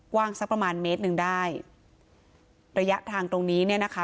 กว้างสักประมาณเมตรหนึ่งได้ระยะทางตรงนี้เนี่ยนะคะ